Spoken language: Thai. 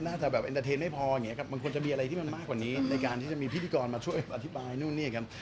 แบบเอ็นเตอร์เทนไม่พออย่างนี้ครับมันควรจะมีอะไรที่มันมากกว่านี้ในการที่จะมีพิธีกรมาช่วยอธิบายนู่นนี่กัน